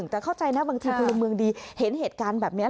แต่เข้าใจนะบางทีพลเมืองดีเห็นเหตุการณ์แบบนี้